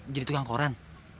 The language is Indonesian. jadi tukang koran